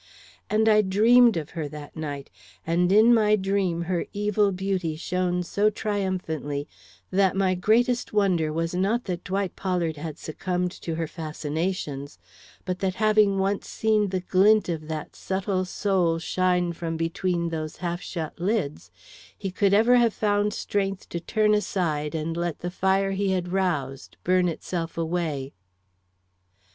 And I dreamed of her that night, and in my dream her evil beauty shone so triumphantly that my greatest wonder was not that Dwight Pollard had succumbed to her fascinations, but that having once seen the glint of that subtle soul shine from between those half shut lids, he could ever have found strength to turn aside and let the fire he had roused burn itself away.